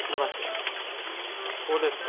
こうですか？